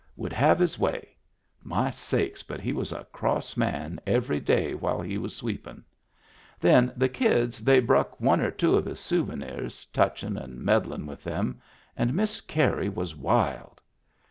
Would have his way. My sakes, but he was a cross man every day while he was sweepin'! Then the kids they bruck one or two of his souvenirs, touchin' and meddlin' with them, and Miss Carey was wild.